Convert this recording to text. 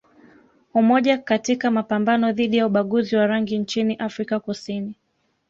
Umoja katika mapambano dhidi ya ubaguzi wa rangi nchini Afrika Kusini